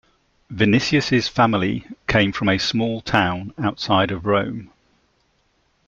Vinicius' family came from a small town outside of Rome.